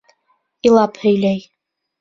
Илап һөйләй.